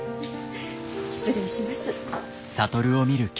失礼します。